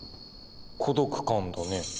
孤独感だね。